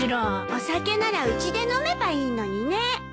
お酒ならうちで飲めばいいのにね。